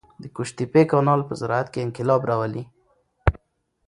د قوشتېپې کانال په زراعت کې انقلاب راولي.